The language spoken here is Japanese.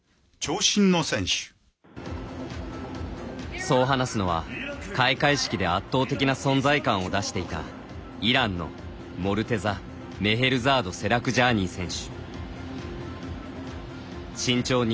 そう話すのは開会式で圧倒的な存在感を出していたイランのモルテザ・メヘルザードセラクジャーニー選手。